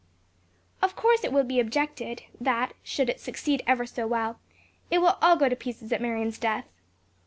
Of course it will be objected, that, should it succeed ever so well, it will all go to pieces at Marion's death.